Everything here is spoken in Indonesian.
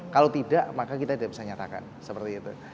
kalau tidak maka kita tidak bisa nyatakan seperti itu